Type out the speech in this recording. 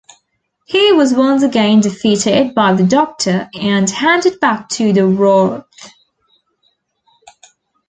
He was once again defeated by the Doctor and handed back to the Wrarth.